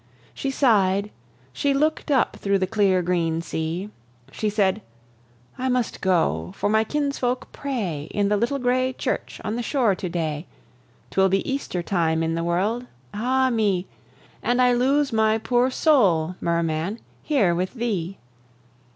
She sigh'd, she look'd up through the clear green sea; She said: "I must go, for my kinsfolk pray In the little gray church on the shore to day. 'Twill be Easter time in the world ah me! And I lose my poor soul, Merman! here with thee."